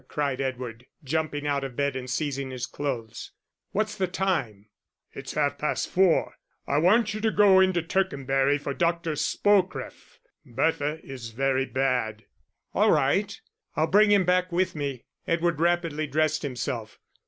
cried Edward, jumping out of bed and seizing his clothes. "What's the time?" "It's half past four.... I want you to go into Tercanbury for Dr. Spocref; Bertha is very bad." "All right, I'll bring him back with me." Edward rapidly dressed himself.